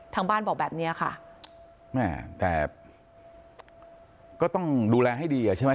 ทางบ้านบอกแบบเนี้ยค่ะแม่แต่ก็ต้องดูแลให้ดีอ่ะใช่ไหม